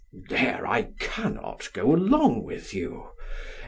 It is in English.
SOCRATES: There I cannot go along with you.